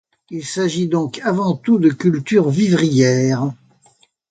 Il s'agit donc avant tout de cultures vivrières.